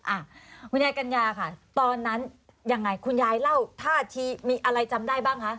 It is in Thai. อ่ะคุณยายกัญญาค่ะตอนนั้นยังไงคุณยายเล่าท่าทีมีอะไรจำได้บ้างคะ